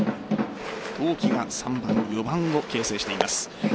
同期が３番、４番を形成しています。